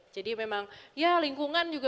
jadi memang ya lingkungan juga